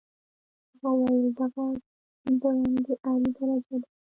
هغه وویل دغه برانډې اعلی درجه ده.